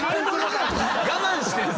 我慢してんすか？